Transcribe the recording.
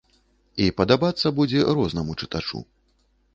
І падабацца будзе рознаму чытачу.